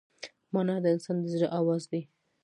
مانا د انسان د زړه آواز دی.